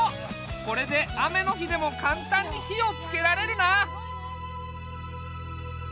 これで雨の日でもかんたんに火をつけられるな！